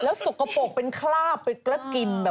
แล้วสกปรกเป็นคลาบเป็นกล้อกลิ่น